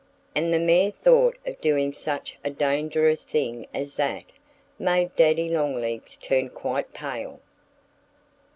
And the mere thought of doing such a dangerous thing as that made Daddy Longlegs turn quite pale.